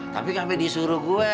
tapi ga sampe disuruh gua